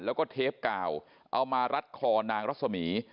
แล้วก็เทปกาวเอามารัดคอนางรัศมี